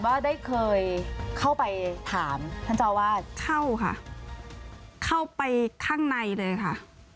ว่าได้เคยเข้าไปถามท่านเจ้าว่าเข้าค่ะเข้าไปข้างในเลยค่ะ